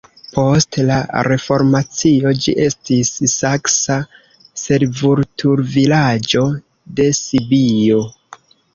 Post la reformacio ĝi estis saksa servutulvilaĝo de Sibio.